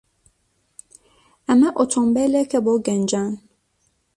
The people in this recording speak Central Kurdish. ئەمە ئۆتۆمۆبیلێکە بۆ گەنجان.